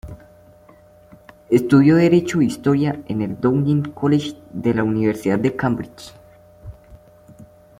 Estudió derecho e historia en el Downing College de la Universidad de Cambridge.